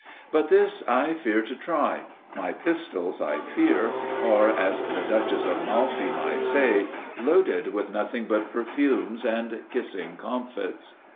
But this I fear to try. My pistols, I fear, are, as the Duchess of Malfi might say, loaded with nothing but perfumes and kissing comfits.